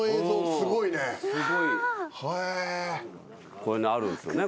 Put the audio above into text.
こういうのあるんすよね。